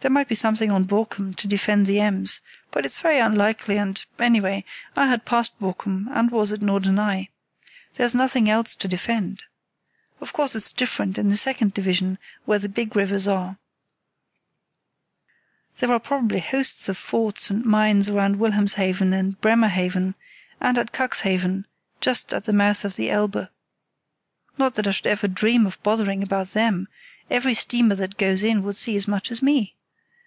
There might be something on Borkum to defend the Ems; but it's very unlikely, and, anyway, I had passed Borkum and was at Norderney. There's nothing else to defend. Of course it's different in the second division, where the big rivers are. There are probably hosts of forts and mines round Wilhelmshaven and Bremerhaven, and at Cuxhaven just at the mouth of the Elbe. Not that I should ever dream of bothering about them; every steamer that goes in would see as much as me.